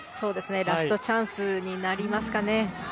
ラストチャンスになりますかね。